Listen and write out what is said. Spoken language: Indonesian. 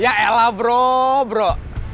ya elah bro bro